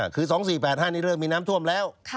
คือ๒๔๘๕นี่เริ่มมีน้ำท่วมแล้ว